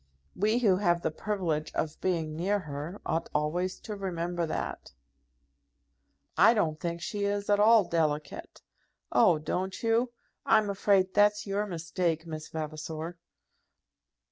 We, who have the privilege of being near her, ought always to remember that." "I don't think she is at all delicate." "Oh! don't you? I'm afraid that's your mistake, Miss Vavasor."